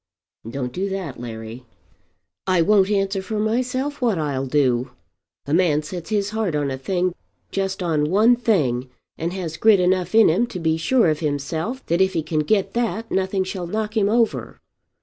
"Don't do that, Larry." "I won't answer for myself what I'll do. A man sets his heart on a thing, just on one thing, and has grit enough in him to be sure of himself that if he can get that nothing shall knock him over.